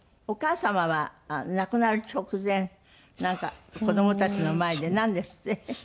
お母様は亡くなる直前なんか子どもたちの前でなんですって？